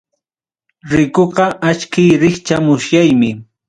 Rikuqa achkiy, rikcha musyaymi.